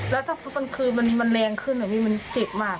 แล้วถ้าเมื่อตอนคืนมันแรงขึ้นมันเจ็บมาก